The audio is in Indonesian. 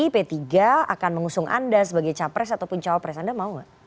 p tiga akan mengusung anda sebagai capres ataupun cawapres anda mau nggak